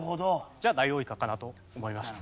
じゃあダイオウイカかなと思いました。